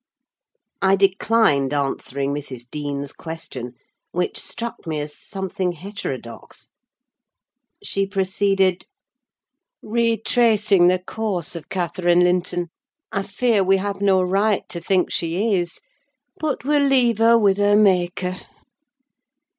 I declined answering Mrs. Dean's question, which struck me as something heterodox. She proceeded: Retracing the course of Catherine Linton, I fear we have no right to think she is; but we'll leave her with her Maker.